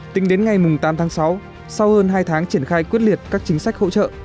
tính đến ngày tám tháng sáu sau hơn hai tháng triển khai quyết liệt các chính sách hỗ trợ